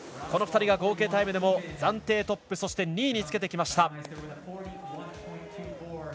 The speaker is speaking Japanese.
この２人が合計タイムでも暫定トップそして２位につけてきました。